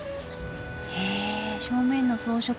へえ正面の装飾